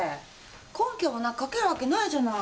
根拠もなく書けるわけないじゃない。